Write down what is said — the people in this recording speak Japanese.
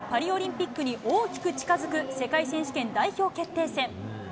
レスリング、勝ったほうがパリオリンピックに大きく近づく世界選手権代表決定戦。